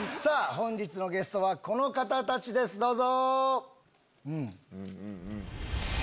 本日のゲストはこの方たちですどうぞ！